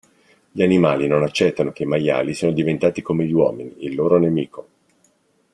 Gli animali non accettano che i maiali siano diventati come gli uomini, il loro nemico.